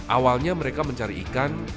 awalnya mereka mencari ikan